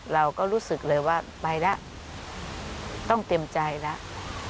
เราก็เลยรู้สึกเลยว่าไปแล้วต้องเต็มใจแล้ว